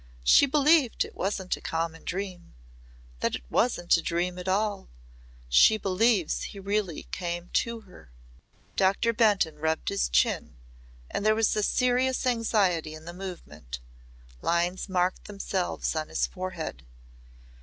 She believed it wasn't a common dream that it wasn't a dream at all. She believes he really came to her." Doctor Benton rubbed his chin and there was serious anxiety in the movement. Lines marked themselves on his forehead.